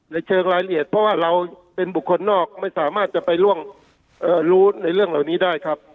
ในเชิงรายละเอียดเพราะว่าเราเป็นบุคคลนอกไม่สามารถจะไปร่วมรู้ในเรื่องเหล่านี้ได้ครับ